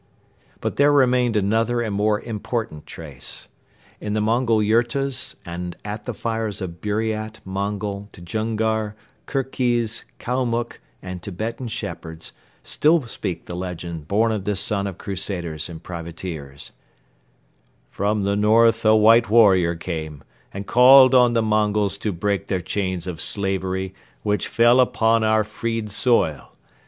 But there remained another and more important trace. In the Mongol yurtas and at the fires of Buriat, Mongol, Djungar, Kirkhiz, Kalmuck and Tibetan shepherds still speak the legend born of this son of crusaders and privateers: "From the north a white warrior came and called on the Mongols to break their chains of slavery, which fell upon our freed soil.